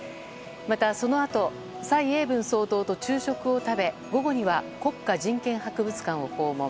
また、そのあと蔡英文総統と昼食を食べ午後には国家人権博物館を訪問。